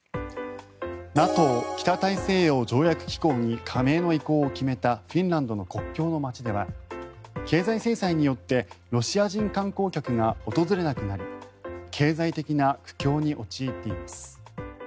ＮＡＴＯ・北大西洋条約機構に加盟の意向を決めたフィンランドの国境の街では経済制裁によってロシア人観光客が訪れなくなり経済的な苦境に陥っています。